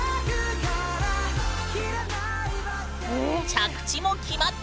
着地も決まった！